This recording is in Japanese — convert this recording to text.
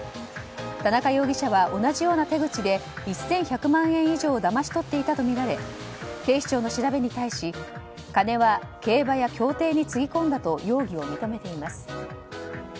田中容疑者は同じような手口で１１００万円以上をだまし取っていたとみられ警視庁の調べに対し金は競馬や競艇につぎ込んだと容疑を認めています。